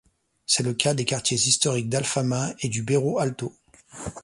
C'est le cas des quartiers historiques d'Alfama et du Bairro Alto.